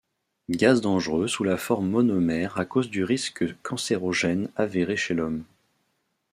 Gaz dangereux sous la forme monomère à cause du risque cancérogène avéré chez l'homme.